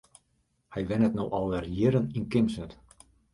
Hy wennet no al wer jierren yn Kimswert.